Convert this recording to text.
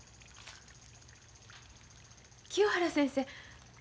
清原先生